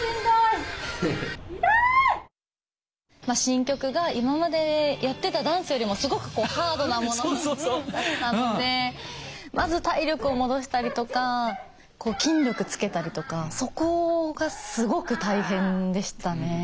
まあ新曲が今までやってたダンスよりもすごくハードなものだったのでまず体力を戻したりとかこう筋力つけたりとかそこがすごく大変でしたね。